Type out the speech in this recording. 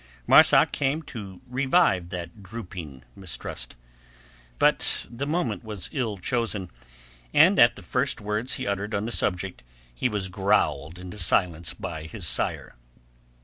Marsak came to revive that drooping mistrust. But the moment was ill chosen, and at the first words he uttered on the subject, he was growled into silence by his sire.